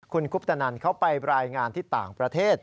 คุณคุปตนันเขาไปรายงานที่ต่างประเทศ